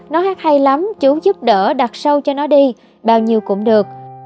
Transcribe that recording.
nó hát hay lắm chú giúp đỡ đặt sâu cho nó đi bao nhiêu cũng được